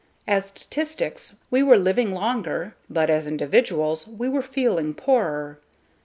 As statistics, we were living longer but as individuals, we were feeling poorer.